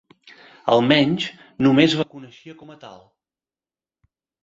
Almenys, només la coneixia com a tal.